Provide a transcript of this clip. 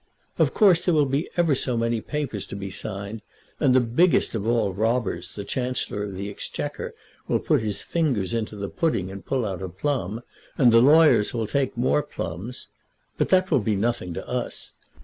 Of course there will be ever so many papers to be signed; and the biggest of all robbers, the Chancellor of the Exchequer, will put his fingers into the pudding and pull out a plum, and the lawyers will take more plums. But that will be nothing to us.